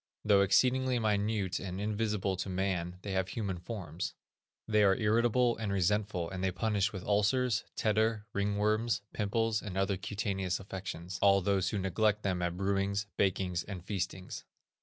Though exceedingly minute and invisible to man they have human forms. They are irritable and resentful, and they punish with ulcers, tetter, ringworms, pimples, and other cutaneous affections, all those who neglect them at brewings, bakings, and feastings.